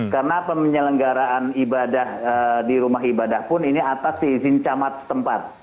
karena pemeninggaraan ibadah di rumah ibadah pun ini atas izin camat tempat